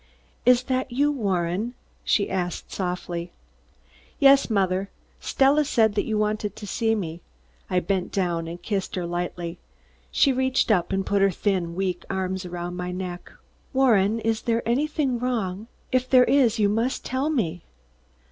"Is that you, Warren?" she asked softly. "Yes, mother. Stella said you wanted to see me." I bent down and kissed her lightly. She reached up and put her thin weak arms around my neck. "Warren, is there anything wrong? If there is you must tell me."